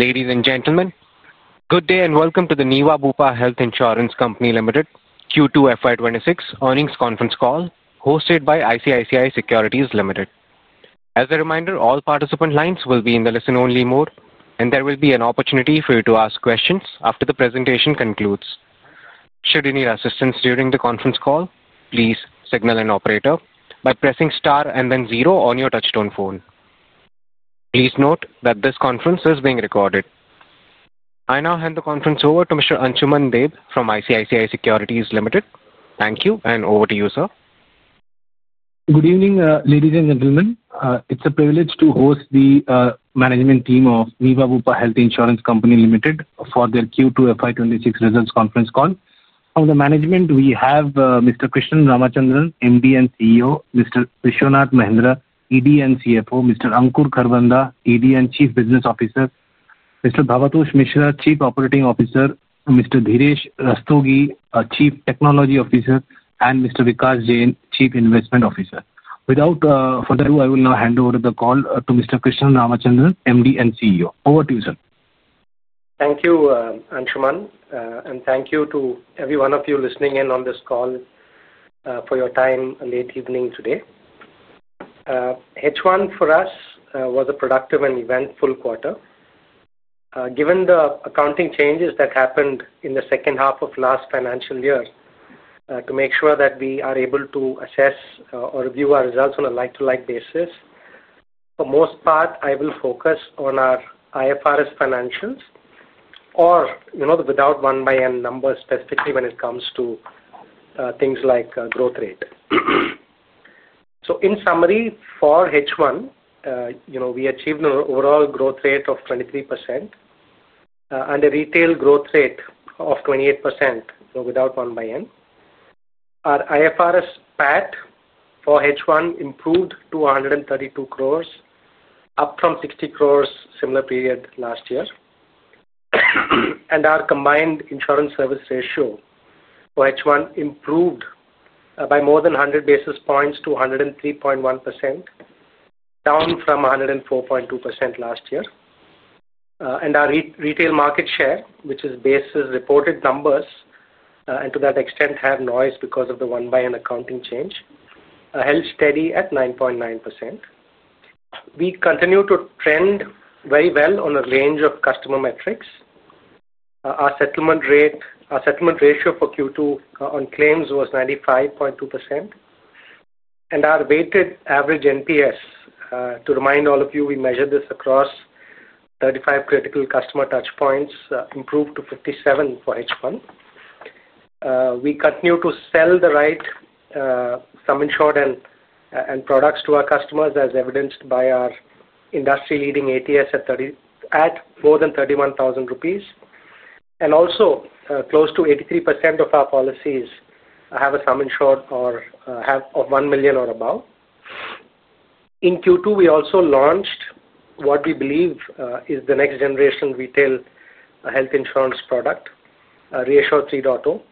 Ladies and gentlemen, good day and welcome to the Niva Bupa Health Insurance Company Limited Q2 FY '26 Earnings Conference Call hosted by ICICI Securities Limited. As a reminder, all participant lines will be in the listen-only mode, and there will be an opportunity for you to ask questions after the presentation concludes. Should you need assistance during the conference call, please signal an operator by pressing star and then zero on your touchstone phone. Please note that this conference is being recorded. I now hand the conference over to Mr. Anshuman Deb from ICICI Securities Limited. Thank you, and over to you, sir. Good evening, ladies and gentlemen. It's a privilege to host the management team of Niva Bupa Health Insurance Company Limited for their Q2 FY '26 results conference call. From the management, we have Mr. Krishnan Ramachandran, MD and CEO, Mr. Vishwanath Mahendra, ED and CFO, Mr. Ankur Kharbanda, ED and Chief Business Officer, Mr. Bhabatosh Mishra, Chief Operating Officer, Mr. Dhiresh Rustogi, Chief Technology Officer, and Mr. Vikas Jain, Chief Investment Officer. Without further ado, I will now hand over the call to Mr. Krishnan Ramachandran, MD and CEO. Over to you, sir. Thank you, Anshuman, and thank you to every one of you listening in on this call for your time late evening today. H1 for us was a productive and eventful quarter. Given the accounting changes that happened in the second half of last financial year, to make sure that we are able to assess or review our results on a like-to-like basis, for the most part, I will focus on our IFRS financials or without one-by-one numbers specifically when it comes to things like growth rate. In summary, for H1, we achieved an overall growth rate of 23% and a retail growth rate of 28% without 1/N. Our IFRS PAT for H1 improved to 132 crore, up from 60 crore similar period last year. Our combined insurance service ratio for H1 improved by more than 100 basis points to 103.1%, down from 104.2% last year. Our retail market share, which is based on reported numbers and to that extent had noise because of the 1/N accounting change, held steady at 9.9%. We continue to trend very well on a range of customer metrics. Our settlement ratio for Q2 on claims was 95.2%. Our weighted average NPS, to remind all of you, we measured this across 35 critical customer touchpoints, improved to 57 for H1. We continue to sell the right sum insured and products to our customers, as evidenced by our industry-leading ATS at more than 31,000 rupees. Also, close to 83% of our policies have a sum insured of 1 million or above. In Q2, we also launched what we believe is the next-generation retail health insurance product, ReAssure 3.0.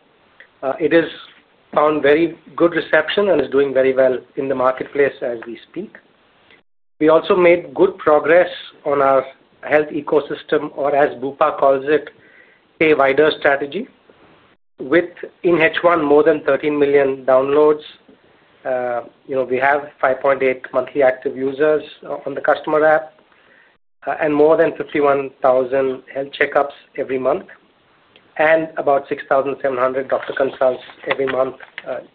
It has found very good reception and is doing very well in the marketplace as we speak. We also made good progress on our health ecosystem, or as Bupa calls it, a wider strategy. In H1, more than 13 million downloads. We have 5.8 million monthly active users on the customer app and more than 51,000 health checkups every month, and about 6,700 doctor consults every month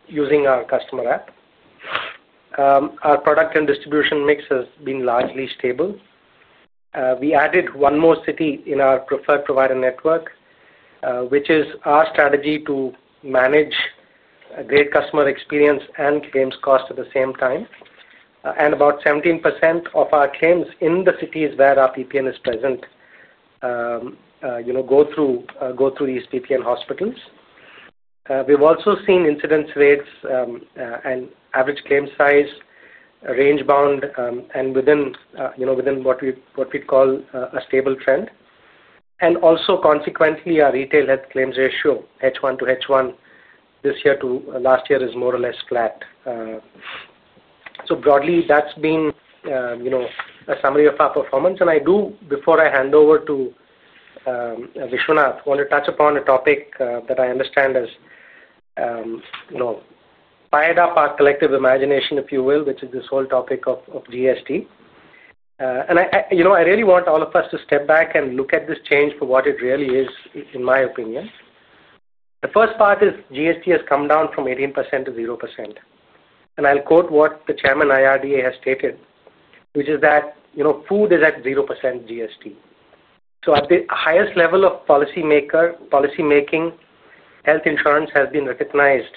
using our customer app. Our product and distribution mix has been largely stable. We added one more city in our preferred provider network, which is our strategy to manage great customer experience and claims cost at the same time. About 17% of our claims in the cities where our PPN is present go through these PPN hospitals. We have also seen incidence rates and average claim size range bound and within what we call a stable trend. Consequently, our retail health claims ratio, H1 to H1 this year to last year, is more or less flat. Broadly, that has been a summary of our performance. Before I hand over to Vishwanath, I want to touch upon a topic that I understand has fired up our collective imagination, if you will, which is this whole topic of GST. I really want all of us to step back and look at this change for what it really is, in my opinion. The first part is GST has come down from 18% to 0%. I'll quote what the Chairman IRDA has stated, which is that food is at 0% GST. At the highest level of policymaking, health insurance has been recognized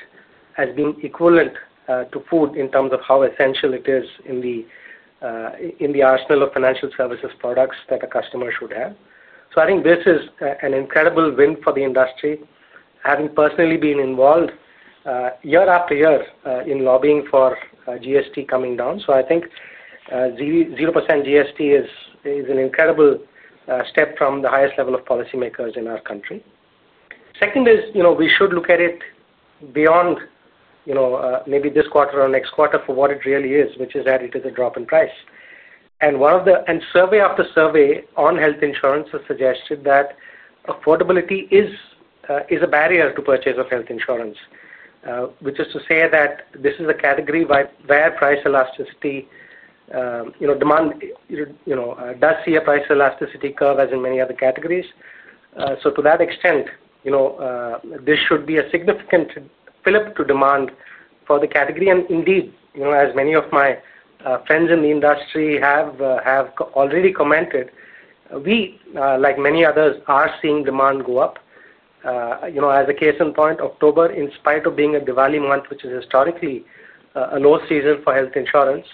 as being equivalent to food in terms of how essential it is in the arsenal of financial services products that a customer should have. I think this is an incredible win for the industry, having personally been involved year after year in lobbying for GST coming down. I think 0% GST is an incredible step from the highest level of policymakers in our country. Second, we should look at it beyond maybe this quarter or next quarter for what it really is, which is adding to the drop in price. Survey after survey on health insurance has suggested that affordability is a barrier to purchase of health insurance. Which is to say that this is a category where price elasticity demand does see a price elasticity curve as in many other categories. To that extent, this should be a significant fillip to demand for the category. Indeed, as many of my friends in the industry have already commented, we, like many others, are seeing demand go up. As a case in point, October, in spite of being a Diwali month, which is historically a low season for health insurance,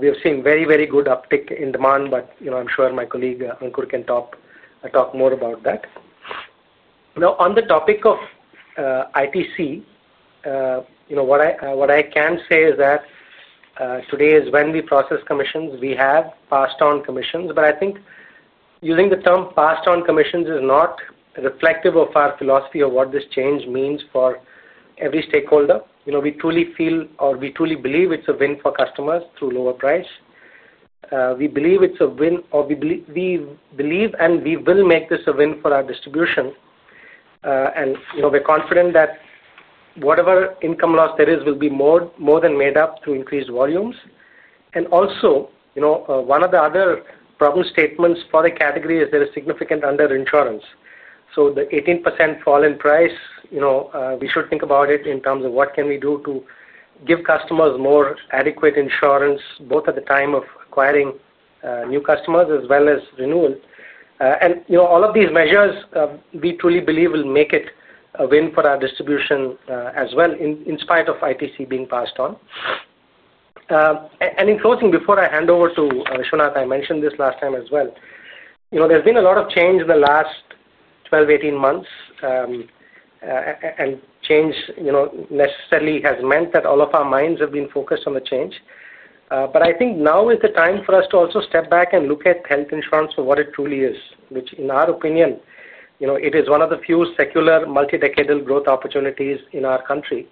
we have seen very, very good uptick in demand. I'm sure my colleague Ankur can talk more about that. Now, on the topic of ITC, what I can say is that today, when we process commissions, we have passed-on commissions. I think using the term passed-on commissions is not reflective of our philosophy of what this change means for every stakeholder. We truly feel or we truly believe it's a win for customers through lower price. We believe it's a win or we believe and we will make this a win for our distribution. We're confident that whatever income loss there is will be more than made up through increased volumes. Also, one of the other problem statements for the category is there is significant underinsurance. The 18% fall in price, we should think about it in terms of what can we do to give customers more adequate insurance both at the time of acquiring new customers as well as renewal. All of these measures, we truly believe, will make it a win for our distribution as well, in spite of ITC being passed on. In closing, before I hand over to Vishwanath, I mentioned this last time as well. There's been a lot of change in the last 12, 18 months. Change necessarily has meant that all of our minds have been focused on the change. I think now is the time for us to also step back and look at health insurance for what it truly is, which, in our opinion, is one of the few secular multi-decadal growth opportunities in our country.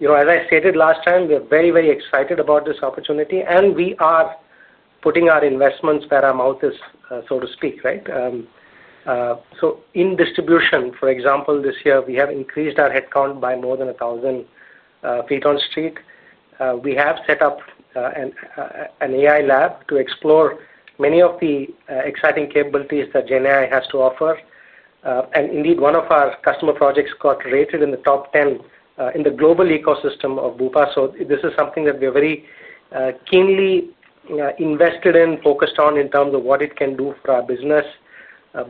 As I stated last time, we are very, very excited about this opportunity, and we are putting our investments where our mouth is, so to speak, right? In distribution, for example, this year, we have increased our headcount by more than 1,000 feet on the street. We have set up an AI lab to explore many of the exciting capabilities that GenAI has to offer. Indeed, one of our customer projects got rated in the top 10 in the global ecosystem of Bupa. This is something that we are very keenly invested in, focused on in terms of what it can do for our business,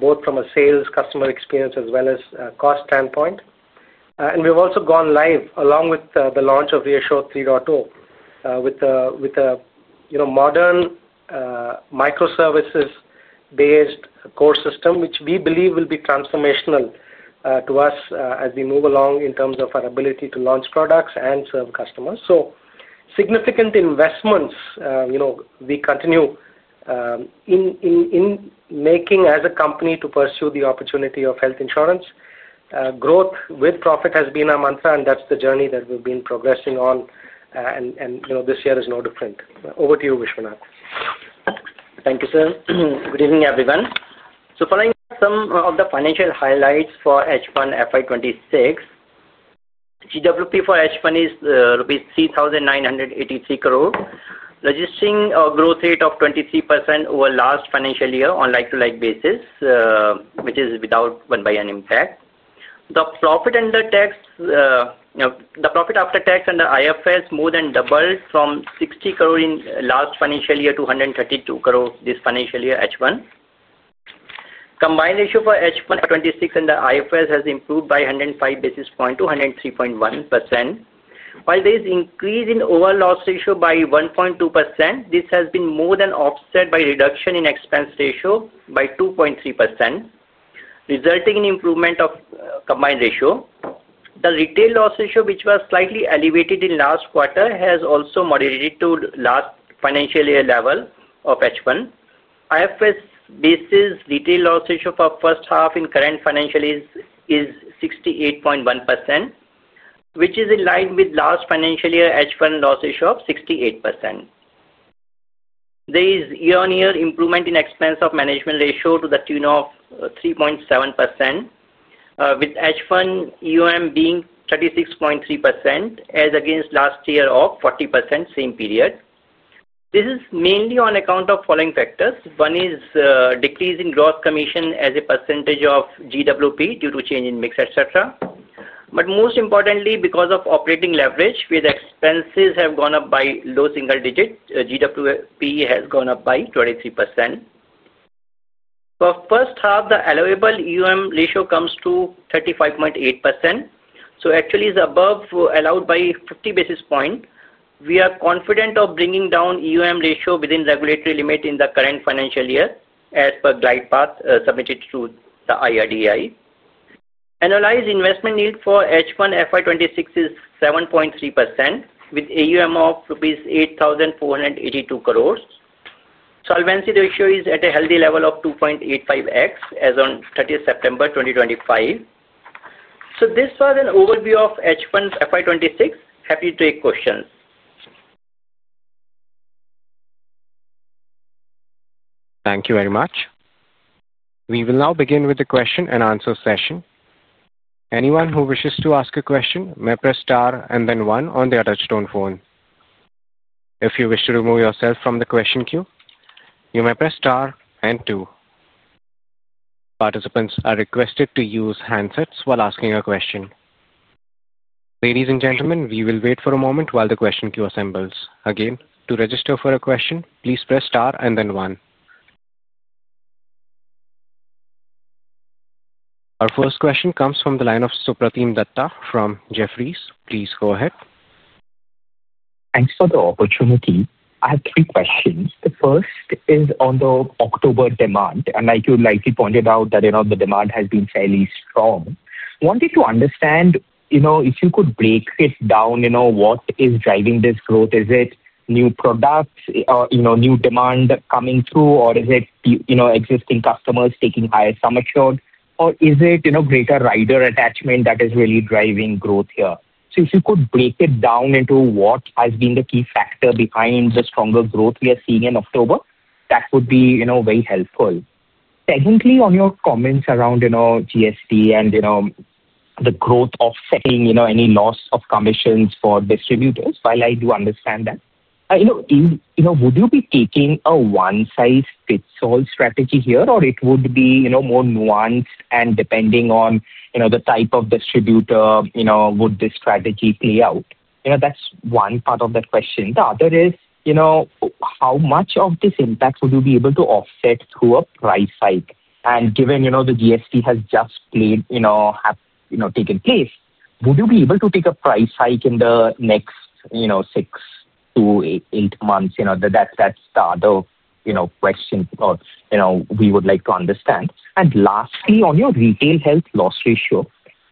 both from a sales customer experience as well as a cost standpoint. We have also gone live along with the launch of ReAssure 3.0 with a modern microservices-based core system, which we believe will be transformational to us as we move along in terms of our ability to launch products and serve customers. Significant investments we continue in making as a company to pursue the opportunity of health insurance. Growth with profit has been our mantra, and that is the journey that we have been progressing on. This year is no different. Over to you, Vishwanath. Thank you, sir. Good evening, everyone. Following some of the financial highlights for H1 FY '26. GWP for H1 is rupees 3,983 crore, registering a growth rate of 23% over last financial year on a like-to-like basis, which is without one-by-one impact. The profit after tax and the IFRS more than doubled from 60 crore in last financial year to 132 crore this financial year, H1. Combined ratio for H1 FY'26 and the IFRS has improved by 105 basis points to 103.1%. While there is an increase in overall loss ratio by 1.2%, this has been more than offset by reduction in expense ratio by 2.3%, resulting in improvement of combined ratio. The retail loss ratio, which was slightly elevated in last quarter, has also moderated to last financial year level of H1. IFRS basis retail loss ratio for the first half in current financial year is 68.1%, which is in line with last financial year H1 loss ratio of 68%. There is year-on-year improvement in expense of management ratio to the tune of 3.7%, with H1 EOM being 36.3% as against last year of 40% same period. This is mainly on account of following factors. One is decrease in gross commission as a percentage of GWP due to change in mix, etc. Most importantly, because of operating leverage, where the expenses have gone up by low single digit, GWP has gone up by 23%. For the first half, the allowable EOM ratio comes to 35.8%. Actually, it is above allowed by 50 basis points. We are confident of bringing down EOM ratio within regulatory limit in the current financial year as per guide path submitted to the IRDA. Annualized investment yield for H1 FY '26 is 7.3% with AUM of 8,482 crore rupees. Solvency ratio is at a healthy level of 2.85x as on 30 September 2025. This was an overview of H1 FY '26. Happy to take questions. Thank you very much. We will now begin with the question and answer session. Anyone who wishes to ask a question may press star and then one on the touchstone phone. If you wish to remove yourself from the question queue, you may press star and two. Participants are requested to use handsets while asking a question. Ladies and gentlemen, we will wait for a moment while the question queue assembles. Again, to register for a question, please press star and then one. Our first question comes from the line of Supratim Datta from Jefferies. Please go ahead. Thanks for the opportunity. I have three questions. The first is on the October demand, and like you likely pointed out, the demand has been fairly strong. Wanted to understand. If you could break it down, what is driving this growth? Is it new products, new demand coming through, or is it existing customers taking higher sum assured, or is it greater rider attachment that is really driving growth here? If you could break it down into what has been the key factor behind the stronger growth we are seeing in October, that would be very helpful. Secondly, on your comments around GST and the growth offsetting any loss of commissions for distributors, while I do understand that. Would you be taking a one-size-fits-all strategy here, or would it be more nuanced and depending on the type of distributor would this strategy play out? That's one part of the question. The other is, how much of this impact would you be able to offset through a price hike? And given the GST has just taken place, would you be able to take a price hike in the next six to eight months? That's the other question we would like to understand. Lastly, on your retail health loss ratio,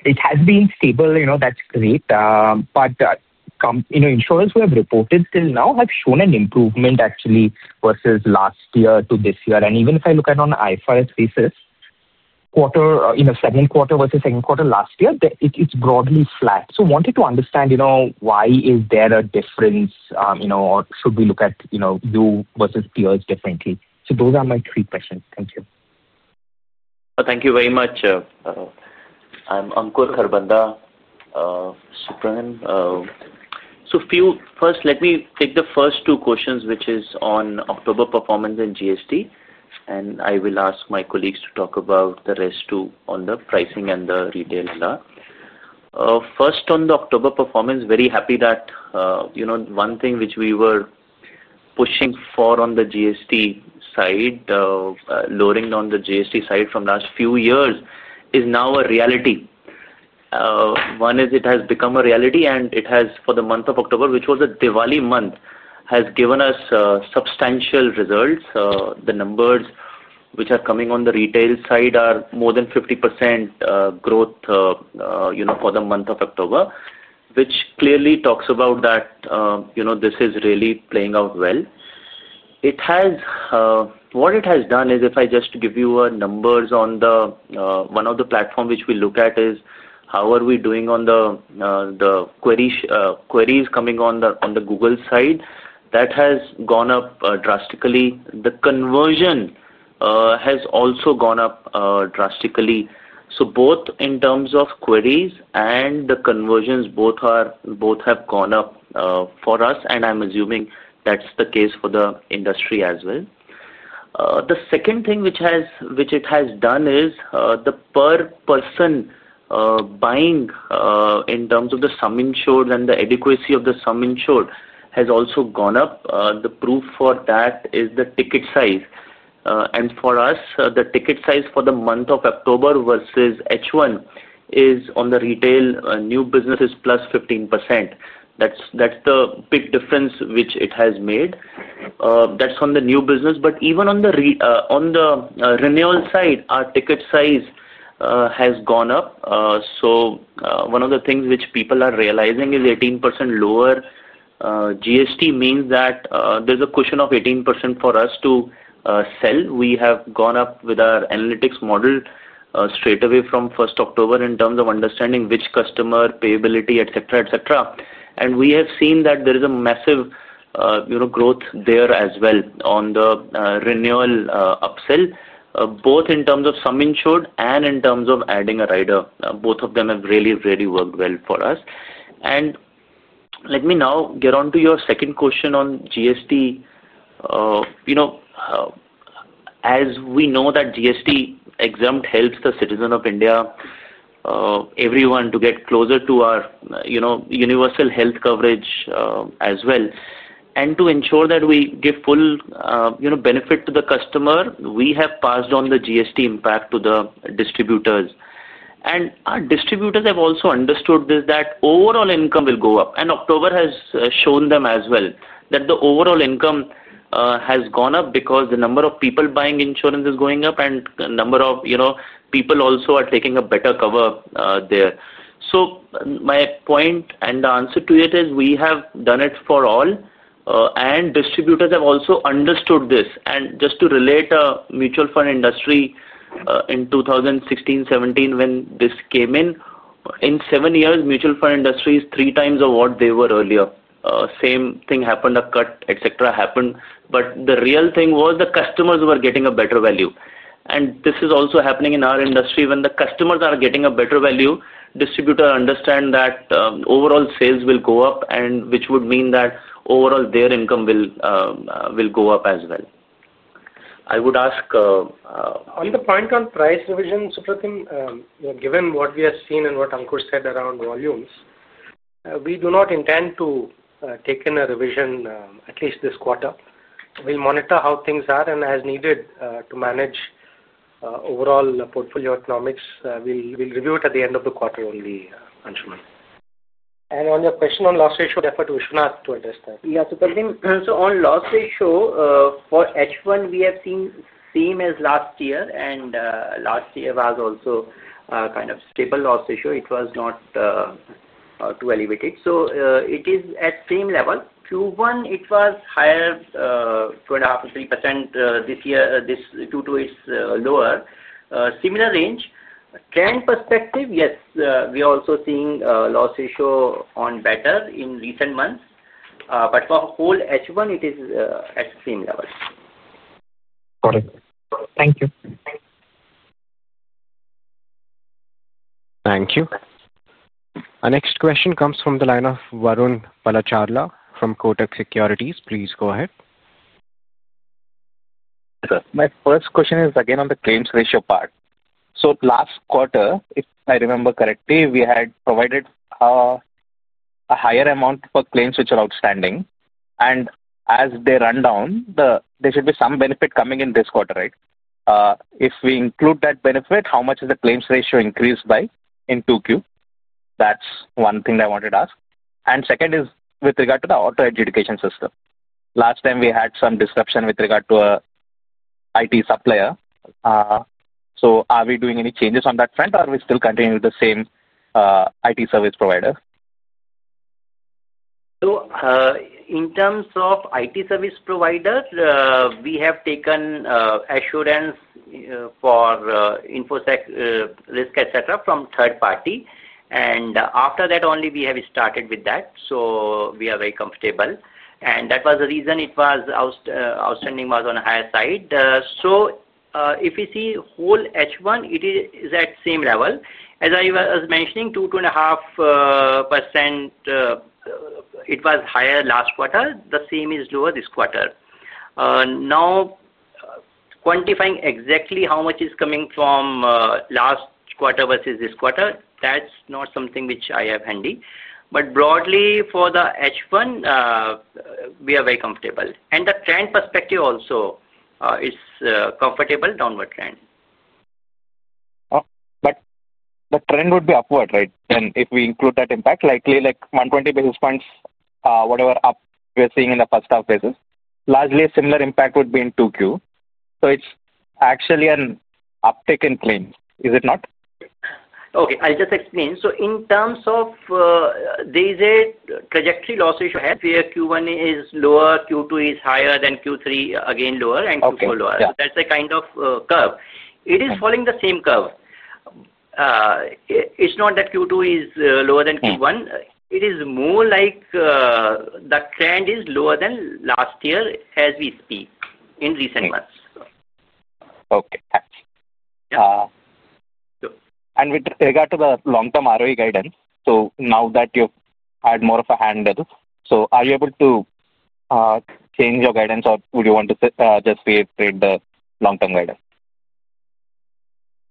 it has been stable. That's great. Insurers who have reported till now have shown an improvement actually versus last year to this year. Even if I look at it on an IFRS basis, second quarter versus second quarter last year, it's broadly flat. Wanted to understand why is there a difference. Or should we look at you versus peers differently? Those are my three questions. Thank you. Thank you very much. I'm Ankur Kharbanda. Supratim. First, let me take the first two questions, which is on October performance and GST. I will ask my colleagues to talk about the rest on the pricing and the retail law. First, on the October performance, very happy that one thing which we were pushing for on the GST side, lowering on the GST side from last few years, is now a reality. One is it has become a reality, and it has for the month of October, which was a Diwali month, given us substantial results. The numbers which are coming on the retail side are more than 50% growth for the month of October, which clearly talks about that this is really playing out well. What it has done is, if I just give you numbers on one of the platforms which we look at, is how are we doing on the queries coming on the Google side. That has gone up drastically. The conversion has also gone up drastically. Both in terms of queries and the conversions, both have gone up for us. I'm assuming that's the case for the industry as well. The second thing which it has done is the per person buying in terms of the sum insured and the adequacy of the sum insured has also gone up. The proof for that is the ticket size. For us, the ticket size for the month of October versus H1 is on the retail new business is plus 15%. That's the big difference which it has made. That's on the new business. Even on the renewal side, our ticket size has gone up. One of the things which people are realizing is 18% lower GST means that there's a cushion of 18% for us to sell. We have gone up with our analytics model straight away from 1 October in terms of understanding which customer payability, etc., etc. We have seen that there is a massive growth there as well on the renewal upsell, both in terms of sum insured and in terms of adding a rider. Both of them have really, really worked well for us. Let me now get on to your second question on GST. As we know, GST exempt helps the citizen of India, everyone to get closer to our universal health coverage as well. To ensure that we give full benefit to the customer, we have passed on the GST impact to the distributors. Our distributors have also understood this, that overall income will go up. October has shown them as well that the overall income has gone up because the number of people buying insurance is going up and the number of people also are taking a better cover there. My point and the answer to it is we have done it for all, and distributors have also understood this. Just to relate a mutual fund industry in 2016, 2017 when this came in, in seven years, mutual fund industry is three times of what they were earlier. Same thing happened, a cut, etc. happened. The real thing was the customers were getting a better value. This is also happening in our industry. When the customers are getting a better value, distributors understand that overall sales will go up, which would mean that overall their income will go up as well. I would ask on the point on price revision, Supratim, given what we have seen and what Ankur said around volumes. We do not intend to take in a revision at least this quarter. We'll monitor how things are and as needed to manage overall portfolio economics. We'll review it at the end of the quarter only, Anshuman. On your question on loss ratio, defer to Vishwanath to address that. Yeah, Supratim. On loss ratio for H1, we have seen same as last year. Last year was also kind of stable loss ratio. It was not too elevated. It is at same level. Q1, it was higher, 2.5%-3% this year. Q2, it is lower, similar range. Trend perspective, yes, we are also seeing loss ratio on better in recent months. For whole H1, it is at same level. Got it. Thank you. Thank you. Our next question comes from the line of Varun Palacharla from Kotak Securities. Please go ahead. My first question is again on the claims ratio part. Last quarter, if I remember correctly, we had provided a higher amount for claims which are outstanding. As they run down, there should be some benefit coming in this quarter, right? If we include that benefit, how much is the claims ratio increased by in Q2? That is one thing I wanted to ask. Second is with regard to the auto adjudication system. Last time, we had some disruption with regard to an IT supplier. Are we doing any changes on that front, or are we still continuing with the same IT service provider? In terms of IT service provider, we have taken assurance for infosec risk, etc., from third party. After that only, we have started with that. We are very comfortable. That was the reason it was outstanding was on a higher side. If you see whole H1, it is at same level. As I was mentioning, 2.5%. It was higher last quarter. The same is lower this quarter. Quantifying exactly how much is coming from last quarter versus this quarter, that's not something which I have handy. Broadly, for the H1, we are very comfortable. The trend perspective also is comfortable, downward trend. The trend would be upward, right? If we include that impact, likely 120 basis points, whatever up we are seeing in the first half basis, largely a similar impact would be in Q2. It is actually an uptick in claims, is it not? Okay. I'll just explain. In terms of, there is a trajectory loss ratio here. Q1 is lower, Q2 is higher, then Q3 again lower, and Q4 lower. That's the kind of curve. It is following the same curve. It's not that Q2 is lower than Q1. It is more like, the trend is lower than last year as we speak in recent months. Okay. With regard to the long-term ROE guidance, now that you've had more of a handle, are you able to change your guidance, or would you want to just reiterate the long-term guidance?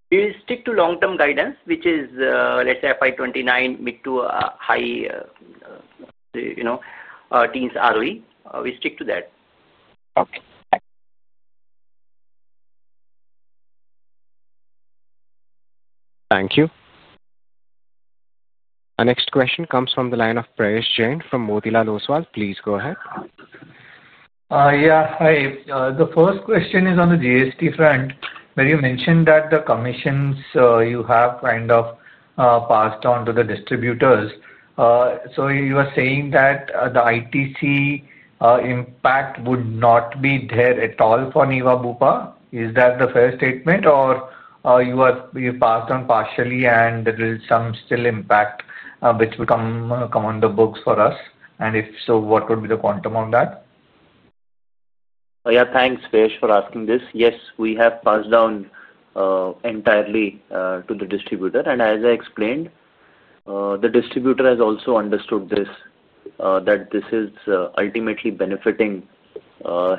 We stick to long-term guidance, which is, let's say, FY '29 mid to high teens ROE. We stick to that. Okay. Thank you. Our next question comes from the line of Prayesh Jain from Motilal Oswal. Please go ahead. Yeah. Hi. The first question is on the GST front. When you mentioned that the commissions you have kind of passed on to the distributors, you are saying that the ITC impact would not be there at all for Niva Bupa. Is that the fair statement, or you passed on partially, and there is some still impact which will come on the books for us? If so, what would be the quantum of that? Yeah. Thanks, Prayesh, for asking this. Yes, we have passed down entirely to the distributor. As I explained, the distributor has also understood this, that this is ultimately benefiting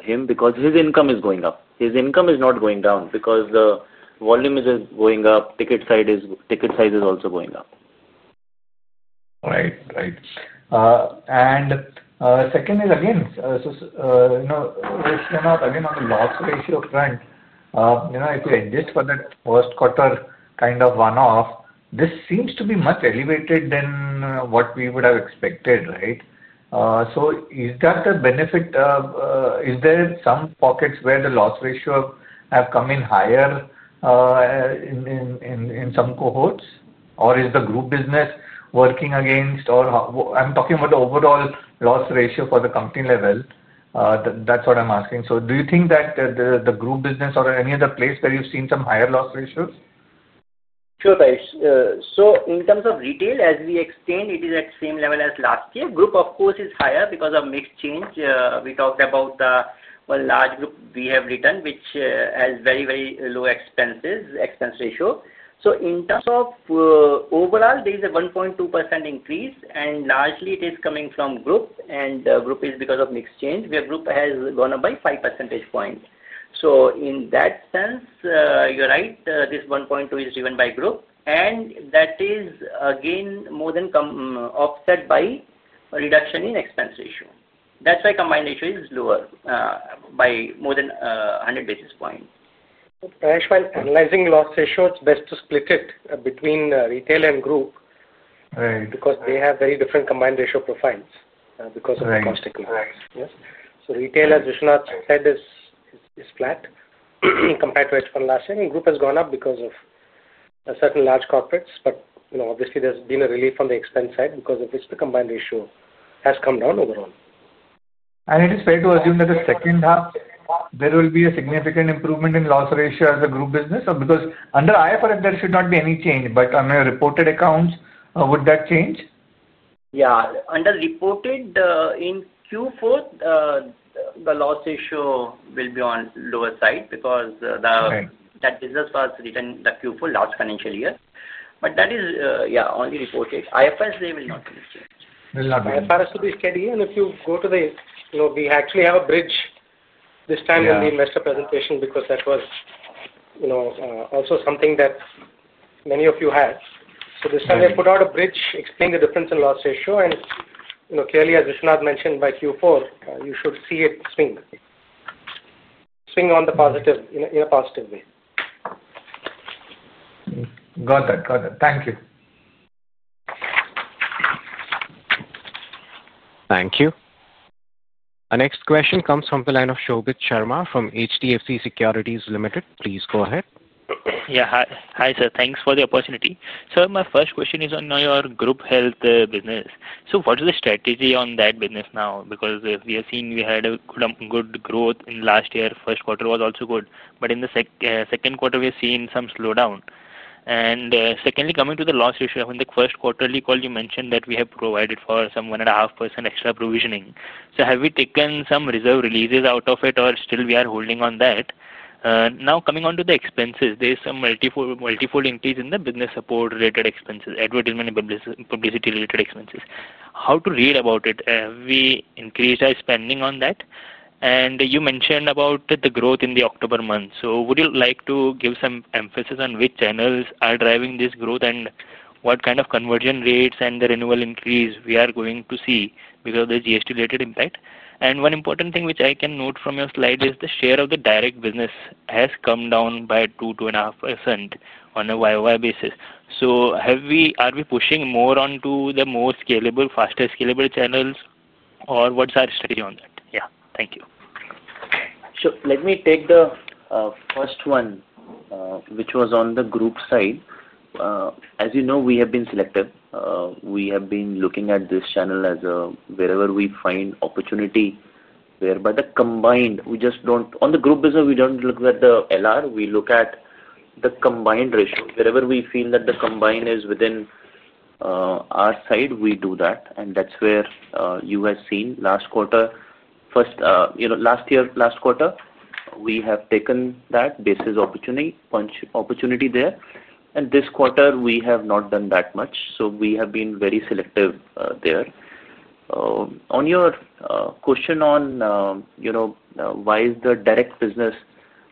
him because his income is going up. His income is not going down because the volume is going up. Ticket size is also going up. Right. Right. Second is, again, so again on the loss ratio front. If you adjust for that first quarter kind of one-off, this seems to be much elevated than what we would have expected, right? Is that the benefit? Is there some pockets where the loss ratio have come in higher, in some cohorts, or is the group business working against? I'm talking about the overall loss ratio for the company level. That's what I'm asking. Do you think that the group business or any other place where you've seen some higher loss ratios? Sure, Prayesh. In terms of retail, as we explained, it is at the same level as last year. Group, of course, is higher because of mix change. We talked about the large group we have written, which has very, very low expenses, expense ratio. In terms of overall, there is a 1.2% increase, and largely it is coming from group, and group is because of mix change, where group has gone up by 5 percentage points. In that sense, you're right, this 1.2% is driven by group. That is again more than offset by reduction in expense ratio. That's why combined ratio is lower by more than 100 basis points. Prayesh, while analyzing loss ratio, it's best to split it between retail and group. Because they have very different combined ratio profiles because of the cost equation. So retail, as Vishwanath said, is flat compared to H1 last year. And group has gone up because of certain large corporates. Obviously, there's been a relief on the expense side because of which the combined ratio has come down overall. Is it fair to assume that the second half, there will be a significant improvement in loss ratio as a group business? Because under IFRS, there should not be any change. On your reported accounts, would that change? Yeah. Under reported. In Q4, the loss ratio will be on the lower side because that business was written in Q4 last financial year. That is, yeah, only reported. IFRS, they will not be changed. IFRS will be carried here. If you go to the, we actually have a bridge this time in the Investor Presentation because that was also something that many of you had. This time, they put out a bridge, explained the difference in loss ratio. Clearly, as Vishwanath mentioned, by Q4, you should see it swing, swing on the positive, in a positive way. Got it. Got it. Thank you. Thank you. Our next question comes from the line of Shobhit Sharma from HDFC Securities Limited. Please go ahead. Yeah. Hi, sir. Thanks for the opportunity. Sir, my first question is on your group health business. What is the strategy on that business now? Because we have seen we had good growth in last year. First quarter was also good. In the second quarter, we have seen some slowdown. Secondly, coming to the loss ratio, in the first quarterly call, you mentioned that we have provided for some 1.5% extra provisioning. Have we taken some reserve releases out of it, or still we are holding on that? Now, coming on to the expenses, there is some multifold increase in the business support-related expenses, advertisement and publicity-related expenses. How to read about it? Have we increased our spending on that? You mentioned about the growth in the October month. Would you like to give some emphasis on which channels are driving this growth and what kind of conversion rates and the renewal increase we are going to see because of the GST-related impact? One important thing which I can note from your slide is the share of the direct business has come down by 2%-2.5% on a Y-o-Y basis. Are we pushing more onto the more scalable, faster scalable channels, or what's our strategy on that? Yeah. Thank you. Let me take the first one, which was on the group side. As you know, we have been selective. We have been looking at this channel as wherever we find opportunity, whereby the combined, we just do not on the group business, we do not look at the LR. We look at the combined ratio. Wherever we feel that the combined is within our side, we do that. That is where you have seen last quarter. Last year, last quarter, we have taken that basis opportunity there. This quarter, we have not done that much. We have been very selective there. On your question on why is the direct business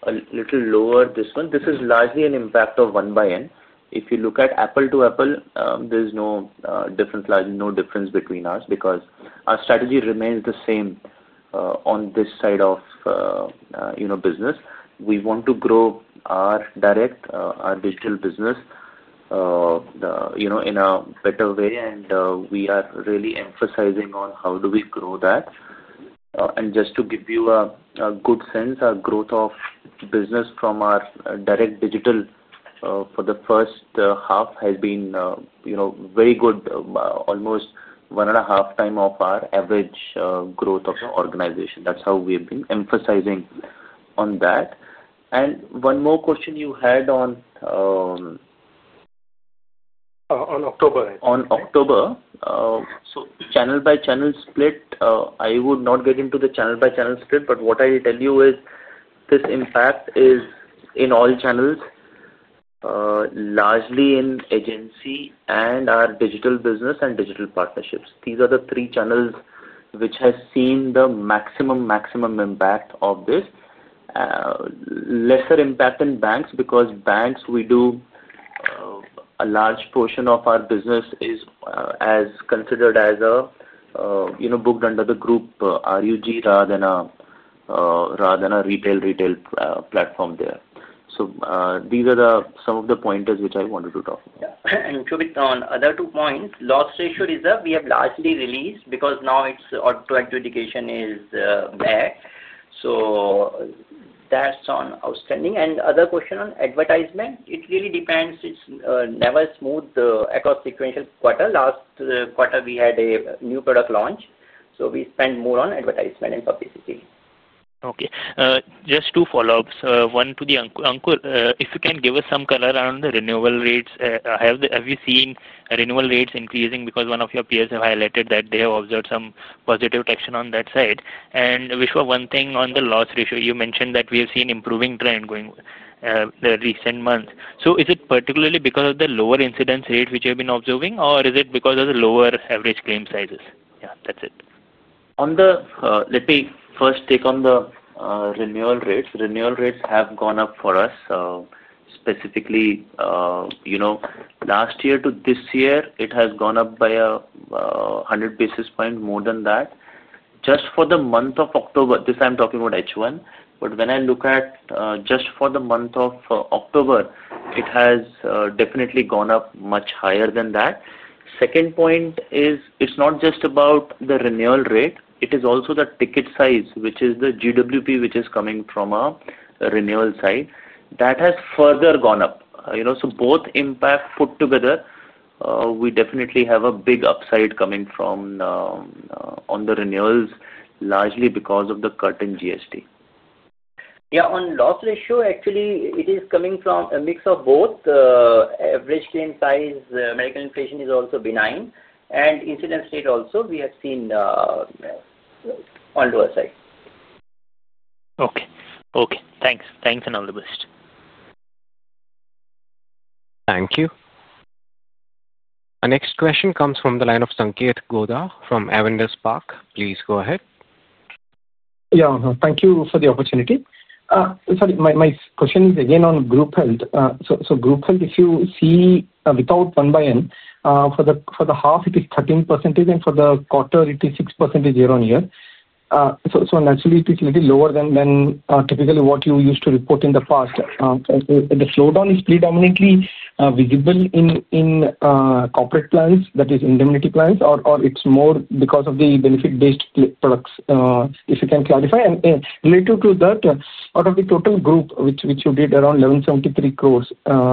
a little lower this month, this is largely an impact of 1/N. If you look at Apple to Apple, there is no difference between us because our strategy remains the same. On this side of business, we want to grow our direct, our digital business in a better way. We are really emphasizing on how do we grow that. Just to give you a good sense, our growth of business from our direct digital for the first half has been very good, almost one and a half time of our average growth of the organization. That is how we have been emphasizing on that. One more question you had on October? On October, channel by channel split, I would not get into the channel by channel split, but what I will tell you is this impact is in all channels, largely in agency and our digital business and digital partnerships. These are the three channels which have seen the maximum, maximum impact of this. Lesser impact in banks because banks, we do a large portion of our business is considered as booked under the group RUG rather than a retail platform there. These are some of the pointers which I wanted to talk about. Shobhit, on other two points, loss ratio reserve, we have largely released because now its auto adjudication is back. That is on outstanding. The other question on advertisement, it really depends. It is never smooth across sequential quarter. Last quarter, we had a new product launch, so we spend more on advertisement and publicity. Okay. Just two follow-ups. One to Ankur, if you can give us some color around the renewal rates. Have you seen renewal rates increasing? Because one of your peers have highlighted that they have observed some positive traction on that side. And Vishwa, one thing on the loss ratio. You mentioned that we have seen improving trend. The recent months. Is it particularly because of the lower incidence rate which you have been observing, or is it because of the lower average claim sizes? Yeah, that's it. Let me first take on the renewal rates. Renewal rates have gone up for us. Specifically, last year to this year, it has gone up by 100 basis points, more than that. Just for the month of October, this I am talking about H1. When I look at just for the month of October, it has definitely gone up much higher than that. The second point is it is not just about the renewal rate. It is also the ticket size, which is the GWP, which is coming from a renewal side. That has further gone up. Both impact put together, we definitely have a big upside coming from on the renewals, largely because of the cut in GST. Yeah. On loss ratio, actually, it is coming from a mix of both. Average claim size, medical inflation is also benign. And incidence rate also, we have seen. On lower side. Okay. Okay. Thanks. Thanks and all the best. Thank you. Our next question comes from the line of Sanketh Godha from Avendus Spark. Please go ahead. Yeah. Thank you for the opportunity. Sorry, my question is again on group health. Group health, if you see without one-by-n, for the half, it is 13%, and for the quarter, it is 6% year on year. Naturally, it is a little lower than typically what you used to report in the past. The slowdown is predominantly visible in corporate plans, that is, indemnity plans, or it is more because of the benefit-based products. If you can clarify. Related to that, out of the total group, which you did around 1,173 crore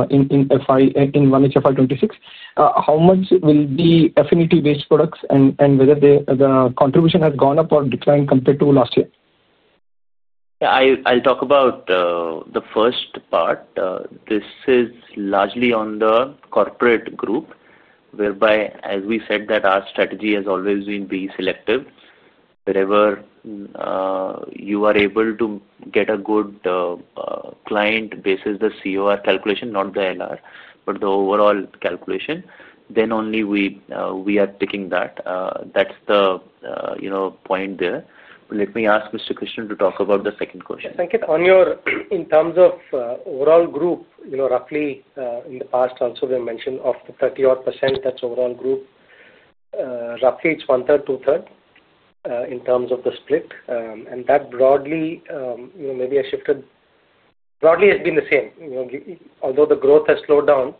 in 1H FY '26, how much will be affinity-based products and whether the contribution has gone up or declined compared to last year? Yeah. I'll talk about the first part. This is largely on the corporate group, whereby, as we said, that our strategy has always been to be selective. Wherever you are able to get a good client basis the COR calculation, not the LR, but the overall calculation, then only we are taking that. That's the point there. Let me ask Mr. Krishnan to talk about the second question. Sanketh, in terms of overall group, roughly in the past, also, we have mentioned of the 30-odd percent, that's overall group. Roughly it's one-third, two-third in terms of the split. And that broadly. Maybe has shifted. Broadly has been the same. Although the growth has slowed down,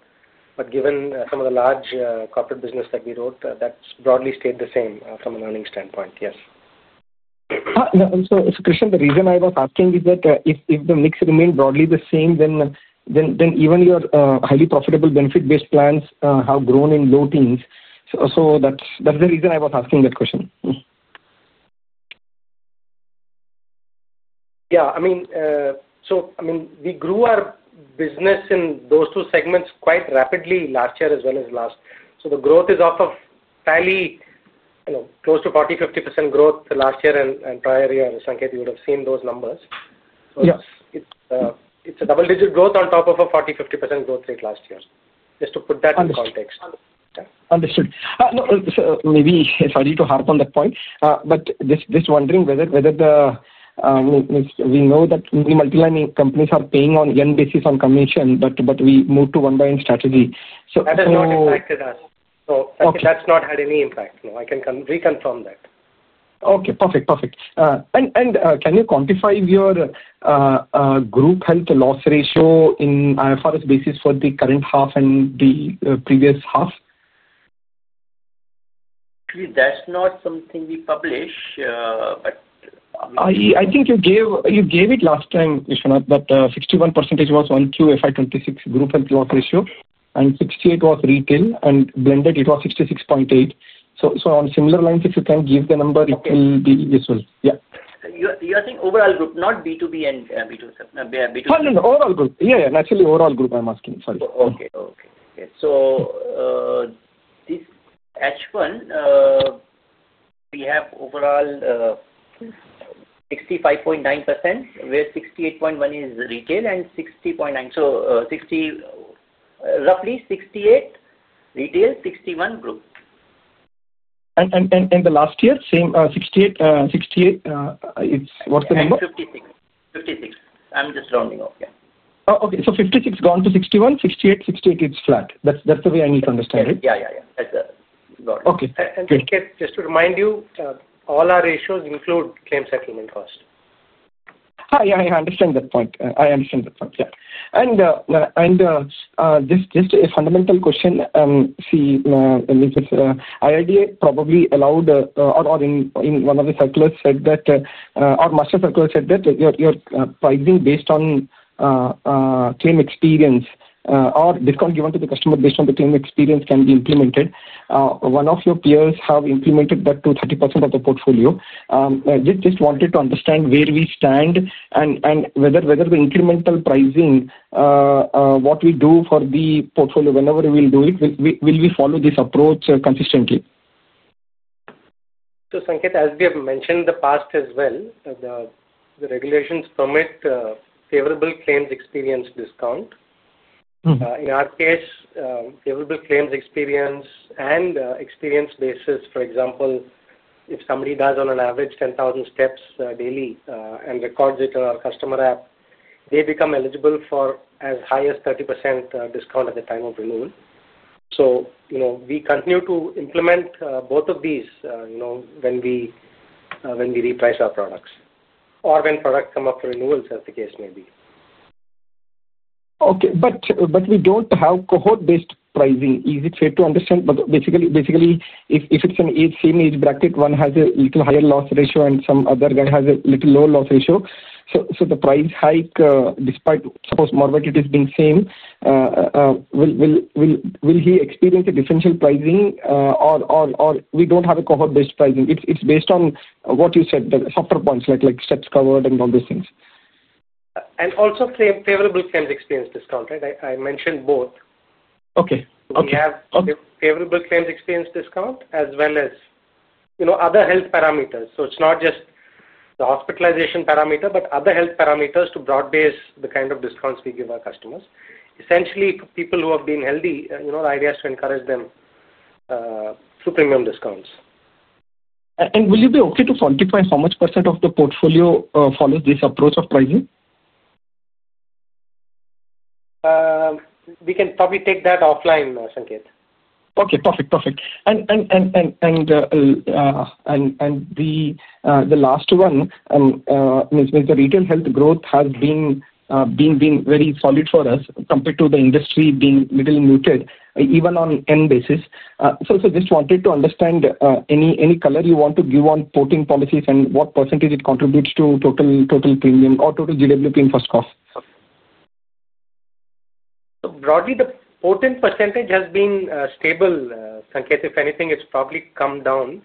but given some of the large corporate business that we wrote, that's broadly stayed the same from an earnings standpoint. Yes. Krishnan, the reason I was asking is that if the mix remained broadly the same, then even your highly profitable benefit-based plans have grown in low teens. That is the reason I was asking that question. Yeah. I mean, so I mean, we grew our business in those two segments quite rapidly last year as well as last. The growth is off of fairly close to 40-50% growth last year and prior year. Sanketh, you would have seen those numbers. Yes. It's a double-digit growth on top of a 40-50% growth rate last year. Just to put that in context. Understood. Maybe sorry to harp on that point, but just wondering whether the—we know that multi-lining companies are paying on a year basis on commission, but we moved to 1/N strategy. That is not. That has not impacted us. That's not had any impact. No, I can reconfirm that. Okay. Perfect. Perfect. Can you quantify your group health loss ratio on an IFRS basis for the current half and the previous half? Actually, that's not something we publish, but. I think you gave it last time, Vishwanath, that 61% was on IQ FY '26 group health loss ratio, and 68 was retail. And blended, it was 66.8. So on similar lines, if you can give the number, it will be useful. Yeah. You are saying overall group, not B2B and B2C? No, no, overall group. Yeah, yeah. Naturally, overall group, I'm asking. Sorry. Okay. Okay. Okay. So. This H1. We have overall 65.9%, where 68.1% is retail and 60.9%. So roughly 68% retail, 61% group. Last year, same 68%. What's the number? 56%. 56%. I'm just rounding off. Yeah. Oh, okay. So 56% gone to 61%, 68%, 68% is flat. That's the way I need to understand it. Yeah. That's it. Got it. Okay. Sanketh, just to remind you, all our ratios include claim settlement cost. Yeah. I understand that point. Yeah. Just a fundamental question. See, IRDA probably allowed, or in one of the circulars said that, or master circular said that your pricing based on claim experience or discount given to the customer based on the claim experience can be implemented. One of your peers has implemented that to 30% of the portfolio. Just wanted to understand where we stand and whether the incremental pricing, what we do for the portfolio, whenever we will do it, will we follow this approach consistently? As we have mentioned in the past as well, the regulations permit favorable claims experience discount. In our case, favorable claims experience and experience basis, for example, if somebody does on an average 10,000 steps daily and records it in our customer app, they become eligible for as high as 30% discount at the time of renewal. We continue to implement both of these when we reprice our products or when products come up for renewals, as the case may be. Okay. We don't have cohort-based pricing. Is it fair to understand? Basically, if it's the same age bracket, one has a little higher loss ratio and some other guy has a little lower loss ratio. The price hike, despite, suppose, more of it, it has been same. Will he experience a differential pricing, or we don't have a cohort-based pricing? It's based on what you said, the software points, like steps covered and all those things. Also favorable claims experience discount, right? I mentioned both. Okay. We have favorable claims experience discount as well as other health parameters. It is not just the hospitalization parameter, but other health parameters to broad base the kind of discounts we give our customers. Essentially, for people who have been healthy, the idea is to encourage them to premium discounts. Will you be okay to quantify how much % of the portfolio follows this approach of pricing? We can probably take that offline, Sanketh. Okay. Perfect. Perfect. The last one. The retail health growth has been very solid for us compared to the industry being a little muted, even on end basis. Just wanted to understand, any color you want to give on potent policies and what percentage it contributes to total premium or total GWP in first cost? Broadly, the potent percentage has been stable. Sankeeth, if anything, it's probably come down.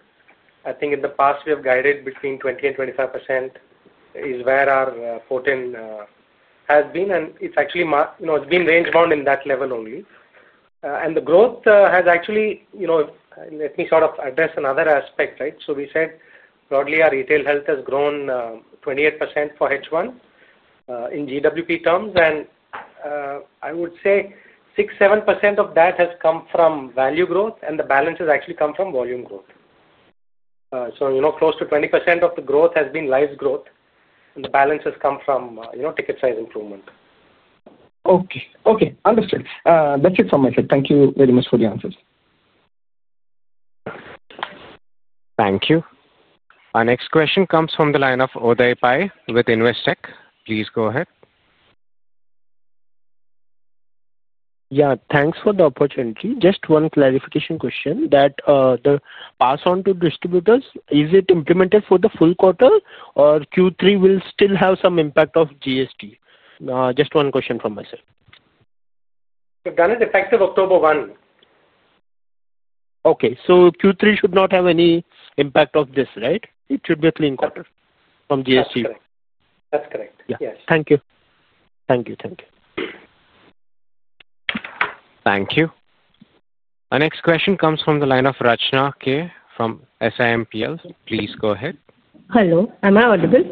I think in the past, we have guided between 20-25%. That is where our potent has been. It's actually been rangebound in that level only. The growth has actually—let me sort of address another aspect, right? We said broadly, our retail health has grown 28% for H1 in GWP terms. I would say 6%, 7% of that has come from value growth, and the balance has actually come from volume growth. Close to 20% of the growth has been lives growth, and the balance has come from ticket size improvement. Okay. Okay. Understood. That's it from my side. Thank you very much for the answers. Thank you. Our next question comes from the line of Uday Pai with Investec. Please go ahead. Yeah. Thanks for the opportunity. Just one clarification question. The pass-on to distributors, is it implemented for the full quarter, or Q3 will still have some impact of GST? Just one question from myself. Done as effective October 1. Okay. So Q3 should not have any impact of this, right? It should be a clean quarter from GST? That's correct. Yes. Thank you. Thank you. Our next question comes from the line of Rachna K from Simpl. Please go ahead. Hello. Am I audible?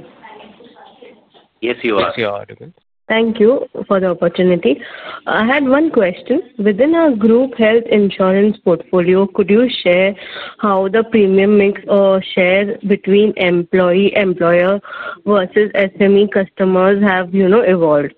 Yes, you are. Yes, you are audible. Thank you for the opportunity. I had one question. Within our group health insurance portfolio, could you share how the premium mix or share between employee, employer versus SME customers have evolved?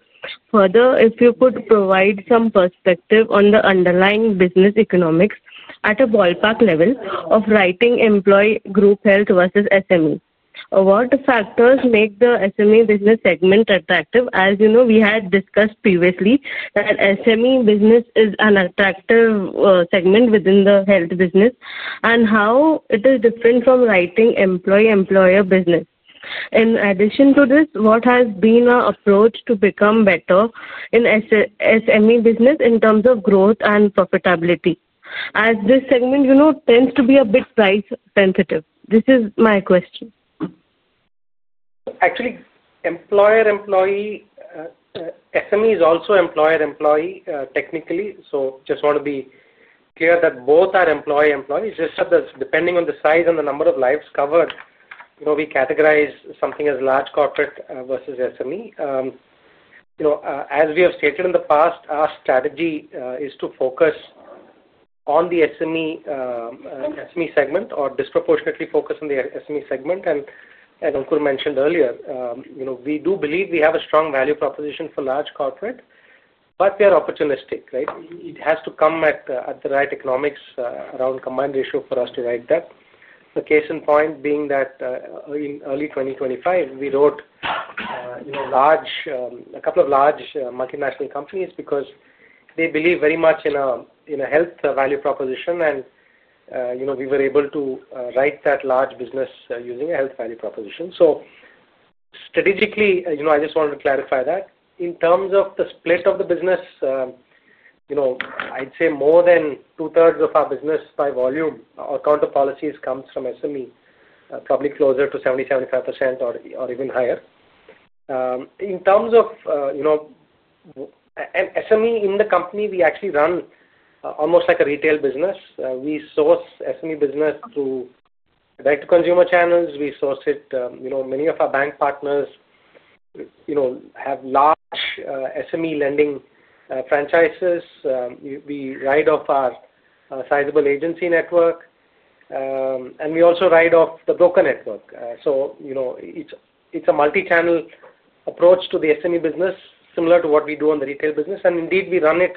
Further, if you could provide some perspective on the underlying business economics at a ballpark level of writing employee group health versus SME? What factors make the SME business segment attractive? As we had discussed previously, that SME business is an attractive segment within the health business, and how it is different from writing employee-employer business. In addition to this, what has been our approach to become better in SME business in terms of growth and profitability? As this segment tends to be a bit price sensitive. This is my question. Actually, employer-employee. SME is also employer-employee technically. Just want to be clear that both are employer-employee. Just depending on the size and the number of lives covered, we categorize something as large corporate versus SME. As we have stated in the past, our strategy is to focus on the SME segment or disproportionately focus on the SME segment. Ankur mentioned earlier, we do believe we have a strong value proposition for large corporate, but we are opportunistic, right? It has to come at the right economics around combined ratio for us to write that. The case in point being that in early 2025, we wrote a couple of large multinational companies because they believe very much in a health value proposition, and we were able to write that large business using a health value proposition. Strategically, I just wanted to clarify that. In terms of the split of the business, I'd say more than two-thirds of our business by volume or count of policies comes from SME, probably closer to 70-75% or even higher. In terms of SME in the company, we actually run almost like a retail business. We source SME business through direct-to-consumer channels. We source it. Many of our bank partners have large SME lending franchises. We ride off our sizable agency network, and we also ride off the broker network. It's a multi-channel approach to the SME business, similar to what we do on the retail business. Indeed, we run it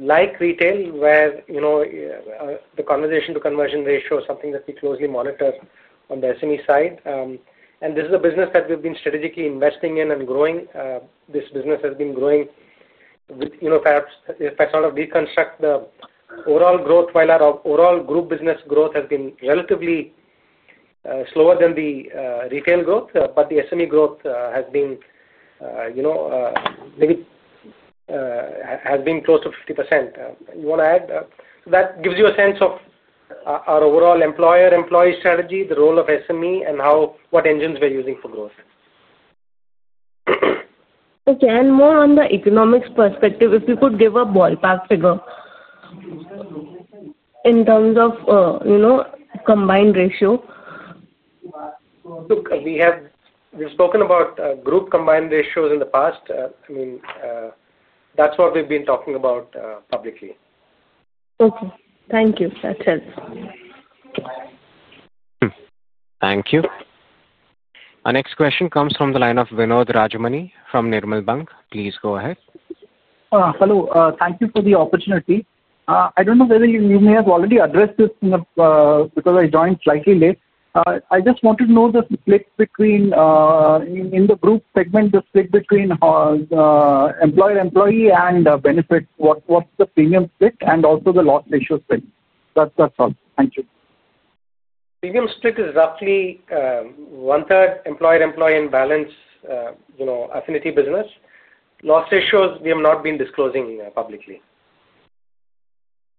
like retail, where the conversation-to-conversion ratio is something that we closely monitor on the SME side. This is a business that we've been strategically investing in and growing. This business has been growing. If I sort of deconstruct the overall growth, while our overall group business growth has been relatively slower than the retail growth, the SME growth has been maybe close to 50%. You want to add? That gives you a sense of our overall employer-employee strategy, the role of SME, and what engines we're using for growth. Okay. More on the economics perspective, if you could give a ballpark figure. In terms of combined ratio? Look, we've spoken about group combined ratios in the past. I mean, that's what we've been talking about publicly. Okay. Thank you. That's it. Thank you. Our next question comes from the line of Vinod Rajamani from Nirmal Bang. Please go ahead. Hello. Thank you for the opportunity. I don't know whether you may have already addressed this because I joined slightly late. I just wanted to know the split between, in the group segment, the split between employer-employee and benefits, what's the premium split and also the loss ratio split? That's all. Thank you. Premium split is roughly one-third employer-employee and balance affinity business. Loss ratios, we have not been disclosing publicly.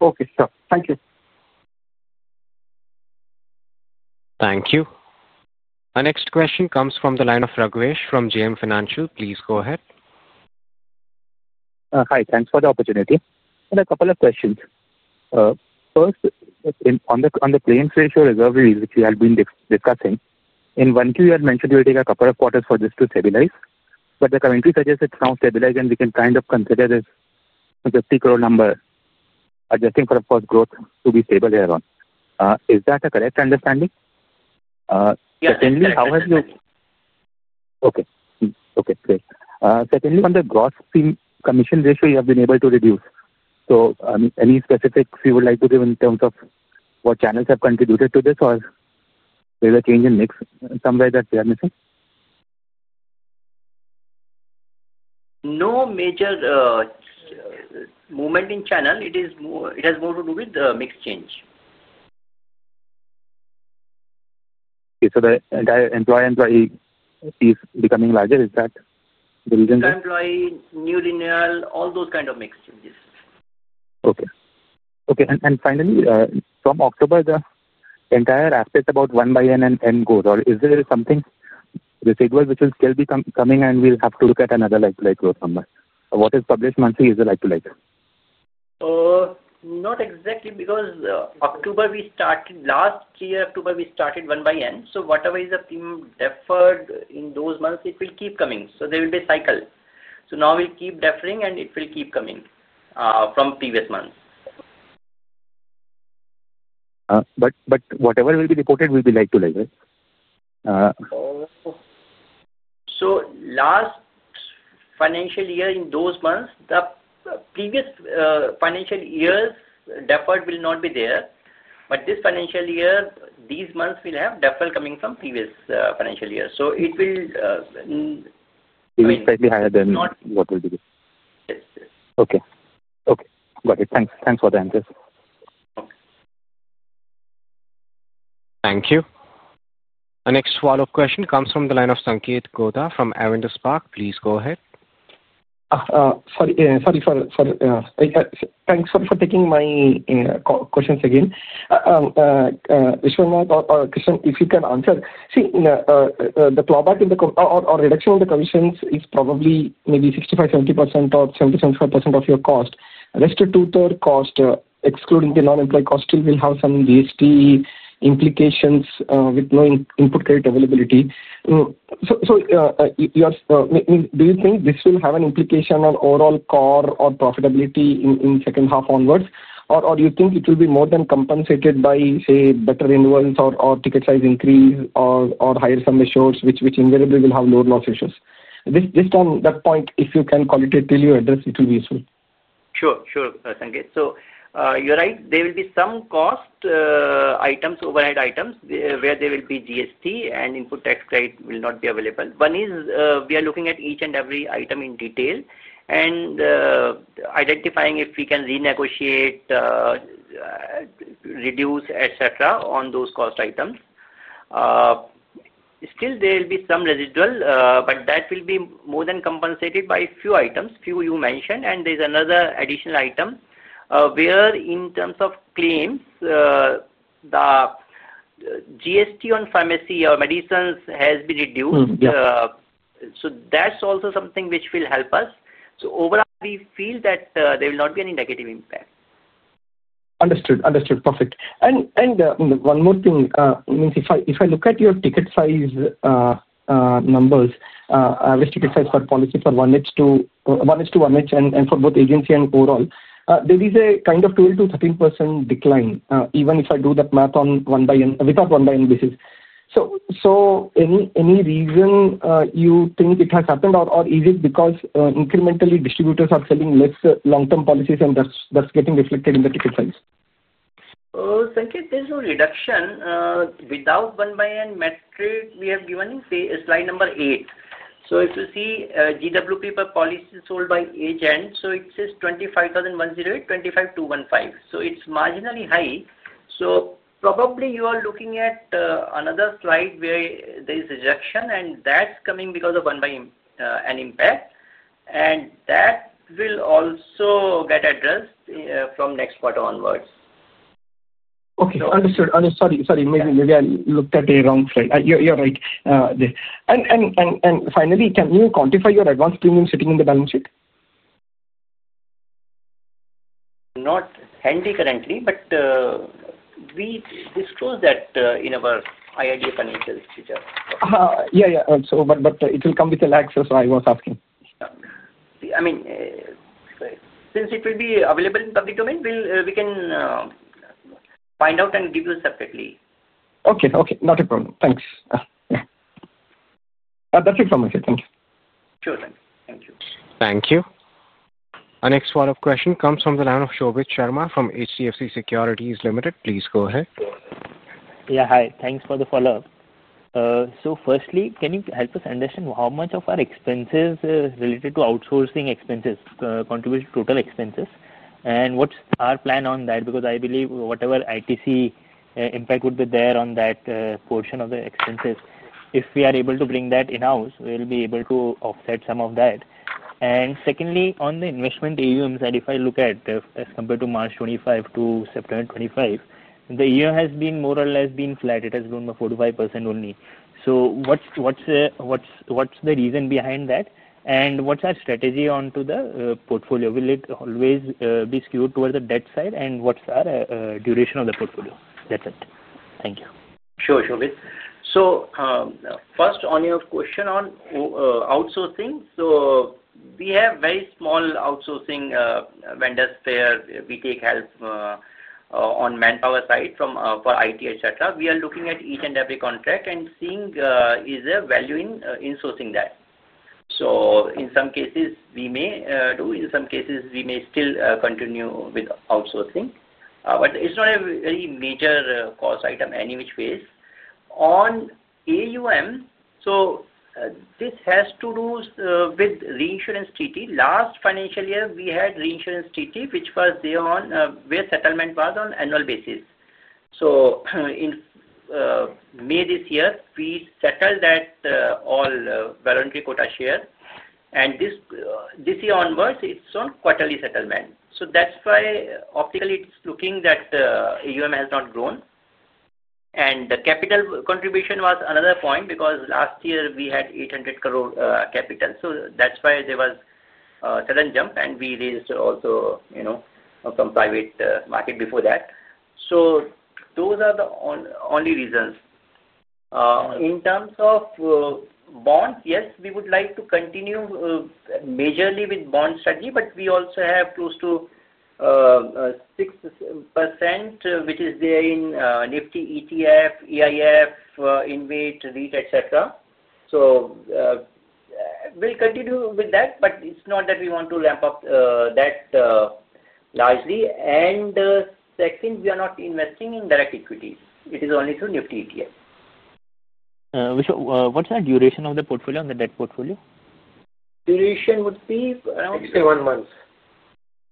Okay. Sure. Thank you. Thank you. Our next question comes from the line of Raghvesh from JM Financial. Please go ahead. Hi. Thanks for the opportunity. I have a couple of questions. First, on the claims ratio reserve, which we have been discussing, in one key, you had mentioned you'll take a couple of quarters for this to stabilize. The commentary suggests it's now stabilized, and we can kind of consider this 50 crore number, adjusting for a first growth to be stable thereon. Is that a correct understanding? Yeah. Secondly, how have you—okay. Okay. Great. Secondly, on the gross commission ratio, you have been able to reduce. So any specifics you would like to give in terms of what channels have contributed to this, or were there change in mix in some way that we are missing? No major movement in channel. It has more to do with the mix change. Okay. So the employer-employee fee is becoming larger. Is that the reason? Employee, new lineal, all those kind of mix changes. Okay. Okay. Finally, from October, the entire aspect about 1/N and N goes, or is there something? The figure which will still be coming, and we'll have to look at another like-to-like growth number? What is published monthly is the like-to-like? Not exactly because last year, October, we started 1/N. So whatever is the theme deferred in those months, it will keep coming. There will be a cycle. Now we keep deferring, and it will keep coming from previous months. Whatever will be reported will be like-to-like, right? Last financial year in those months, the previous financial year's deferred will not be there. This financial year, these months will have deferred coming from previous financial year. It will— It will be slightly higher than what will be there. Yes. Okay. Okay. Got it. Thanks. Thanks for the answers. Thank you. Our next follow-up question comes from the line of Sankeet Goda from Aventus Park. Please go ahead. Sorry. Sorry for taking my questions again. Vishwanath or Krishnan, if you can answer. See. The drawback in the reduction in the commissions is probably maybe 65-70% or 70-75% of your cost. The rest of two-third cost, excluding the non-employee cost, still will have some GST implications with no input credit availability. Do you think this will have an implication on overall core or profitability in the second half onwards? Do you think it will be more than compensated by, say, better invoice or ticket size increase or higher sum assurance, which invariably will have lower loss issues? Just on that point, if you can call it till you address, it will be useful? Sure. Sure, Sankeet. So you're right. There will be some cost items, overhead items, where there will be GST and input tax credit will not be available. One is we are looking at each and every item in detail and identifying if we can renegotiate, reduce, etc., on those cost items. Still, there will be some residual, but that will be more than compensated by a few items, a few you mentioned. There's another additional item where in terms of claims, the GST on pharmacy or medicines has been reduced. That's also something which will help us. Overall, we feel that there will not be any negative impact. Understood. Understood. Perfect. One more thing. If I look at your ticket size numbers, average ticket size for policy for 1H to 1H and for both agency and overall, there is a kind of 12%-13% decline, even if I do that math on 1/N, without 1/N basis. Any reason you think it has happened, or is it because incrementally distributors are selling less long-term policies, and that is getting reflected in the ticket size? Sankeet, there's no reduction. Without 1/N metric, we have given you slide number 8. If you see GWP per policy sold by agent, it says 25,108, 25,215. It is marginally high. Probably you are looking at another slide where there is a reduction, and that is coming because of 1/N impact. That will also get addressed from next quarter onwards. Okay. Understood. Sorry. Maybe I looked at a wrong slide. You're right there. Finally, can you quantify your advance premium sitting in the balance sheet? Not handy currently, but. We disclose that in our IRDA financials feature. Yeah, yeah. It will come with the lag, so I was asking. I mean, since it will be available in public domain, we can find out and give you separately. Okay. Okay. Not a problem. Thanks. That's it from my side. Thank you. Sure. Thank you. Thank you. Our next follow-up question comes from the line of Sobhit Sharma from ICICI Securities Limited. Please go ahead. Yeah. Hi. Thanks for the follow-up. Firstly, can you help us understand how much of our expenses related to outsourcing expenses contribute to total expenses? What's our plan on that? I believe whatever ITC impact would be there on that portion of the expenses, if we are able to bring that in-house, we'll be able to offset some of that. Secondly, on the investment AUM side, if I look at as compared to March 2025 to September 2025, the AUM has been more or less flat. It has grown by 45% only. What's the reason behind that? What's our strategy onto the portfolio? Will it always be skewed towards the debt side? What's our duration of the portfolio? That's it. Thank you. Sure. Sure. First, on your question on outsourcing, we have very small outsourcing vendors where we take help. On manpower side for IT, etc. We are looking at each and every contract and seeing is there value in sourcing that. In some cases, we may do. In some cases, we may still continue with outsourcing. It is not a very major cost item any which way. On AUM, this has to do with reinsurance treaty. Last financial year, we had reinsurance treaty, which was there on where settlement was on annual basis. In May this year, we settled that all voluntary quota share. This year onwards, it is on quarterly settlement. That is why optically it is looking that the AUM has not grown. The capital contribution was another point because last year we had 800 crore capital. That is why there was a sudden jump, and we raised also from private market before that. Those are the only reasons. In terms of bonds, yes, we would like to continue majorly with bond strategy, but we also have close to 6% which is there in Nifty ETF, AIF, InvIT, REIT, etc. We will continue with that, but it is not that we want to ramp up that largely. Second, we are not investing in direct equity. It is only through Nifty ETF. What's the duration of the portfolio and the debt portfolio? Duration would be around. 61 months.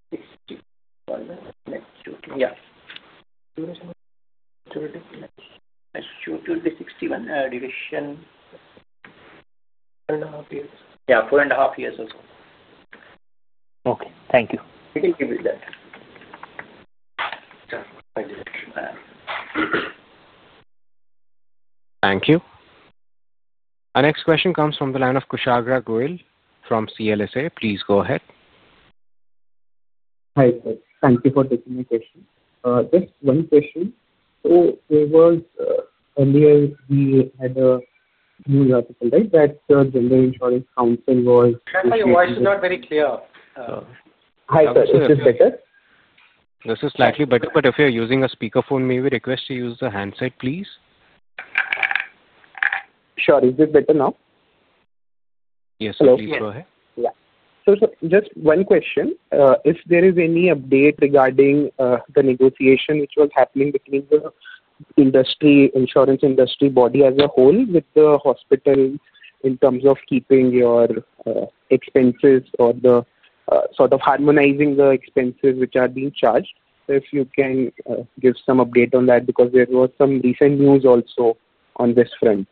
Sixty-one months. Yeah. Duration would be 61. Duration. Yeah. Four and a half years or so. Okay. Thank you. We can give you that. Thank you. Our next question comes from the line of Kushagra Goel from CLSA. Please go ahead. Hi. Thank you for taking my question. Just one question. There was earlier, we had a news article, right, that the General Insurance Council was. My voice is not very clear. Hi, sir. Is this better? This is slightly better, but if you're using a speakerphone, may we request to use the handset, please? Sure. Is this better now? Yes, please go ahead. Yeah. Just one question. If there is any update regarding the negotiation which was happening between the insurance industry body as a whole with the hospitals in terms of keeping your expenses or the sort of harmonizing the expenses which are being charged, if you can give some update on that because there was some recent news also on this front.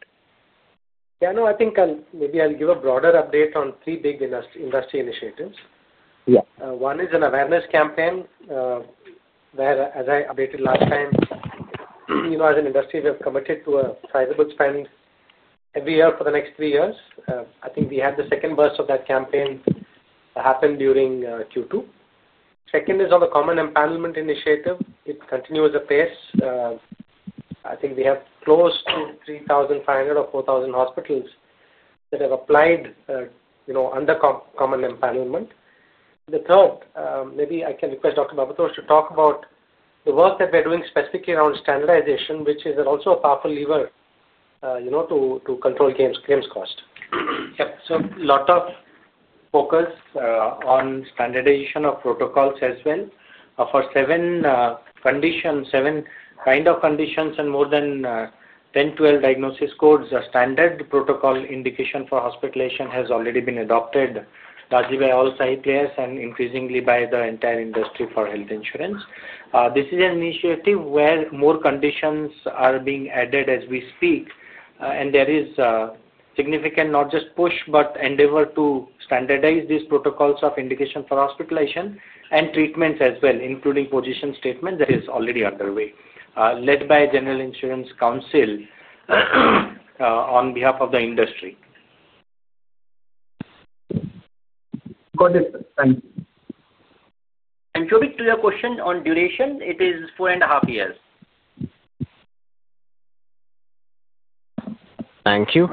Yeah. No, I think maybe I'll give a broader update on three big industry initiatives. One is an awareness campaign. Where, as I updated last time, as an industry, we have committed to a sizable spend every year for the next three years. I think we had the second burst of that campaign. Happened during Q2. Second is on the common empowerment initiative. It continues the pace. I think we have close to 3,500 or 4,000 hospitals that have applied. Under common empowerment. The third, maybe I can request Dr. Bhabatosh to talk about the work that we're doing specifically around standardization, which is also a powerful lever. To control claims cost. Yeah. So a lot of focus on standardization of protocols as well. For seven kinds of conditions and more than 10-12 diagnosis codes, a standard protocol indication for hospitalization has already been adopted, largely by all players, and increasingly by the entire industry for health insurance. This is an initiative where more conditions are being added as we speak, and there is significant not just push, but endeavor to standardize these protocols of indication for hospitalization and treatments as well, including position statement that is already underway, led by a General Insurance Council. On behalf of the industry. Got it. Thank you. To your question on duration, it is four and a half years. Thank you.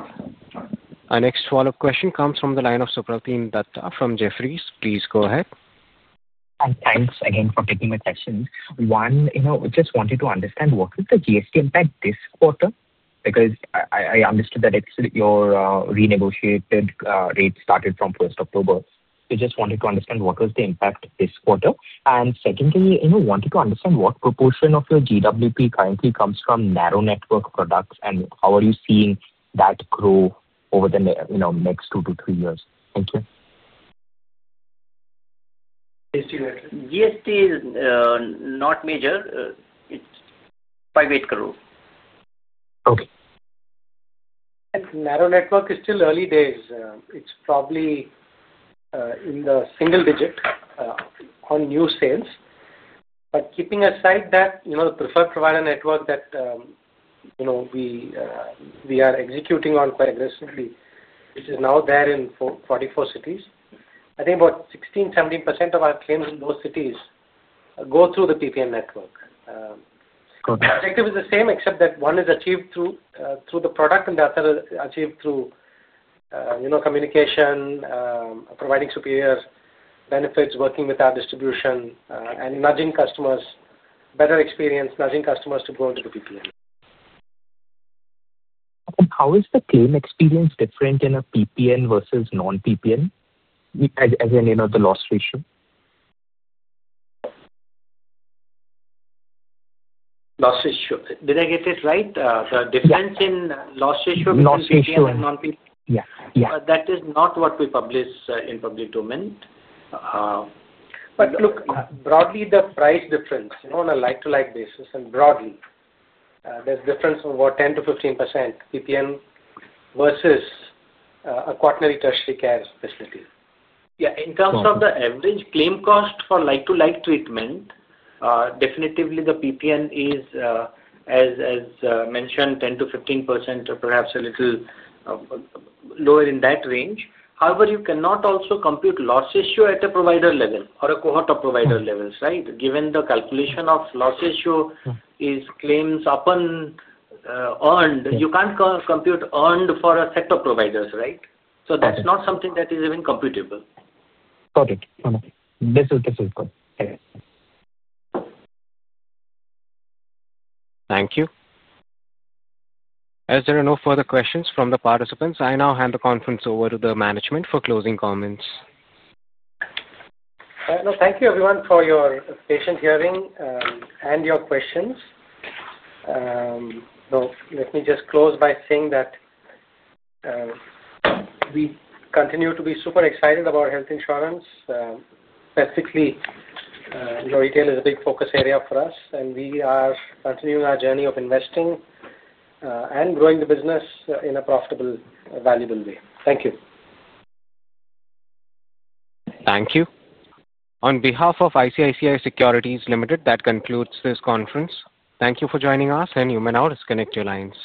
Our next follow-up question comes from the line of Supratim Datta from Jefferies. Please go ahead. Thanks again for taking my question. One, just wanted to understand what is the GST impact this quarter? Because I understood that your renegotiated rate started from October 1. We just wanted to understand what was the impact this quarter. Secondly, wanted to understand what proportion of your GWP currently comes from narrow network products, and how are you seeing that grow over the next two to three years? Thank you. GST. Not major. It's INR 5 crore, INR 8 crore. Okay. Narrow network is still early days. It's probably in the single digit on new sales. Keeping aside that, the preferred provider network that we are executing on quite aggressively, which is now there in 44 cities, I think about 16-17% of our claims in those cities go through the PPN network. The objective is the same, except that one is achieved through the product and the other achieved through communication. Providing superior benefits, working with our distribution, and nudging customers, better experience, nudging customers to go into the PPN. How is the claim experience different in a PPN versus non-PPN? As in the loss ratio. Loss ratio. Did I get it right? The difference in loss ratio between. Loss ratio. PPN and non-PPN? Yeah. Yeah. That is not what we publish in public domain. Look, broadly, the price difference on a like-to-like basis, and broadly, there's a difference of about 10-15% PPN versus a quaternary tertiary care facility. Yeah. In terms of the average claim cost for like-to-like treatment. Definitely, the PPN is, as mentioned, 10-15%, perhaps a little lower in that range. However, you cannot also compute loss ratio at a provider level or a cohort of provider levels, right? Given the calculation of loss ratio is claims upon earned, you can't compute earned for a set of providers, right? So that's not something that is even computable. Got it. This is good. Thank you. As there are no further questions from the participants, I now hand the conference over to the management for closing comments. Thank you, everyone, for your patient hearing and your questions. Let me just close by saying that we continue to be super excited about health insurance. Specifically, retail is a big focus area for us, and we are continuing our journey of investing and growing the business in a profitable, valuable way. Thank you. Thank you. On behalf of ICICI Securities Limited, that concludes this conference. Thank you for joining us, and you may now disconnect your lines.